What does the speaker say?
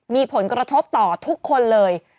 มีผลกระทบต่อทุกคนเลย